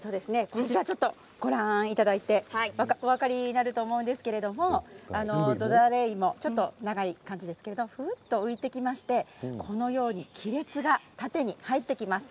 こちらをご覧いただいてお分かりになると思うんですけれど土垂れ芋、ちょっと長い感じですけれど浮いてきましてこのように亀裂が縦に入っていきます。